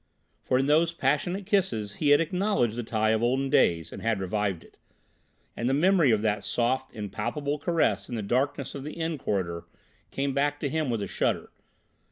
For in those passionate kisses he had acknowledged the tie of olden days, and had revived it. And the memory of that soft impalpable caress in the darkness of the inn corridor came back to him with a shudder.